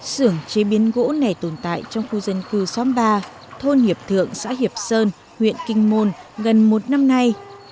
sưởng chế biến gỗ này tồn tại trong khu dân cư xóm ba thôn hiệp thượng xã hiệp sơn huyện kinh môn gần một năm nay